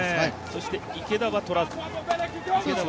そして池田は取らずでした。